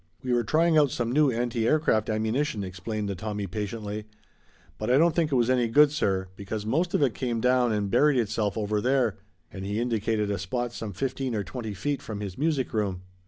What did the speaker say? "We were trying out some new anti aircraft ammunition," explained the Tommy patiently, "but I don't think it was any good, sir, because most of it came down and buried itself over there," and he indicated a spot some fifteen or twenty feet from his music room.